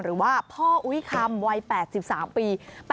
หรือว่าพ่ออุ๊ยคำวัย๘๓ปี